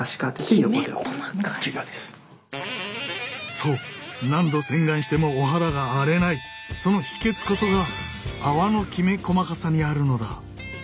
そう何度洗顔してもお肌が荒れないその秘けつこそが泡のきめ細かさにあるのだ。